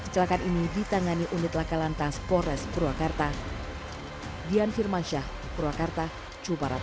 kecelakaan ini ditangani unit lakalan tas pores purwakarta dian firmansyah purwakarta cuparat